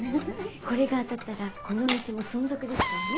これが当たったらこのお店も存続ですからね。